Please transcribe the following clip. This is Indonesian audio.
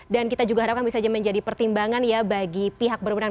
dan kita juga harapkan bisa menjadi pertimbangan ya bagi pihak berwenang